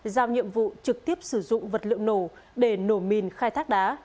giao nhiệm vụ trực tiếp sử dụng vật liệu nổ để nổ mìn khai thác đá